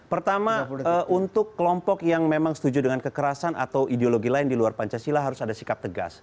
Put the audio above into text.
pertama untuk kelompok yang memang setuju dengan kekerasan atau ideologi lain di luar pancasila harus ada sikap tegas